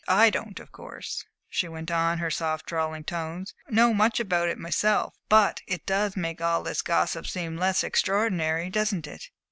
I don't of course," she went on, in her soft, drawling tones, "know much about it myself, but it does make all this gossip seem less extraordinary doesn't it?"